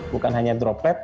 bukan hanya droplet